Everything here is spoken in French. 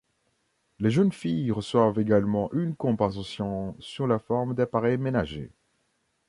Les jeunes filles reçoivent également une compensation sous la forme d'appareils ménagers.